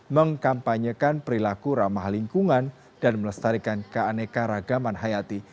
mengkampanyekan perilaku ramah lingkungan dan melestarikan keaneka ragaman hayati